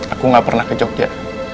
aku gak pernah ke jogja